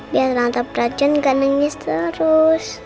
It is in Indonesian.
biar tante frozen gak nangis terus